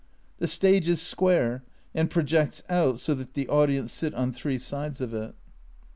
The stage is square, and projects out so that the audience sit on three sides of it.